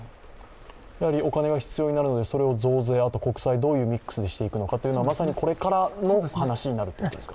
お金が必要になるのでそれを増税、あと国債どういうミックスでしていくのかまさにこれからの話になるってことですか。